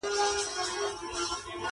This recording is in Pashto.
مېرمنه او ماشومان یې هم ورسره وو.